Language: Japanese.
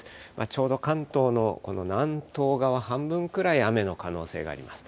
ちょうど関東のこの南東側、半分くらい、雨の可能性があります。